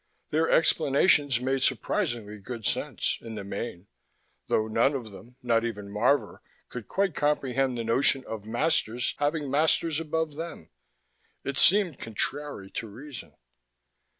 Their explanations made surprisingly good sense, in the main, though none of them, not even Marvor, could quite comprehend the notion of masters having masters above them: it appeared contrary to reason.